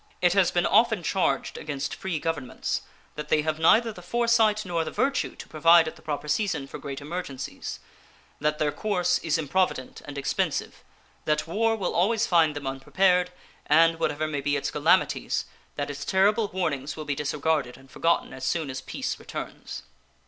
It has been often charged against free governments that they have neither the foresight nor the virtue to provide at the proper season for great emergencies; that their course is improvident and expensive; that war will always find them unprepared, and, whatever may be its calamities, that its terrible warnings will be disregarded and forgotten as soon as peace returns.